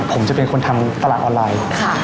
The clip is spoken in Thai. ผมจะเป็นคนทำตลาดออนไลน์